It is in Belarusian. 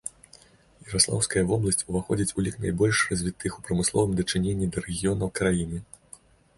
Яраслаўская вобласць уваходзіць у лік найбольш развітых у прамысловым дачыненні да рэгіёнаў краіны.